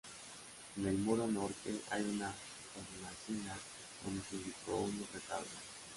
En el muro norte hay una hornacina donde se ubicó un retablo.